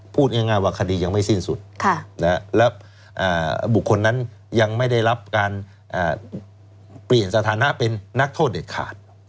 พูดง่ายว่าคดียังไม่สิ้นสุดและบุคคลนั้นยังไม่ได้รับการเปลี่ยนสถานะเป็นนักโทษเด็ดขาด